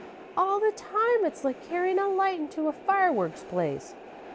All the time it's like carryin' a light into a fireworks place.